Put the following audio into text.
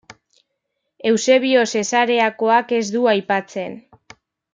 Eusebio Zesareakoak ez du aipatzen.